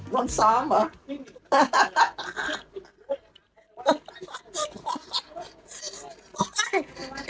โดนซ้อมหรอ